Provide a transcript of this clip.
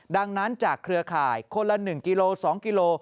ดังนั้นจากเครือข่ายคนละ๑กิโล๒กิโล